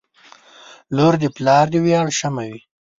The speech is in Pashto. • لور د پلار د ویاړ شمعه وي.